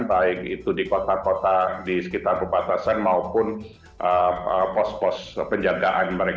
baik itu di kota kota di sekitar perbatasan maupun pos pos penjagaan mereka